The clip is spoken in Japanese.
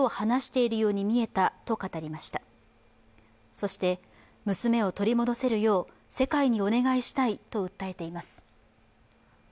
そして娘を取り返せるよう、世界にお願いしたいと訴えています。